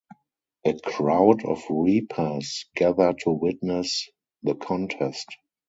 A crowd of reapers gather to witness the contest.